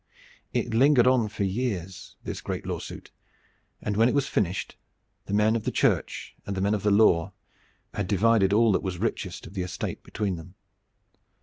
It lingered on for years, this great lawsuit, and when it was finished the men of the Church and the men of the Law had divided all that was richest of the estate between them.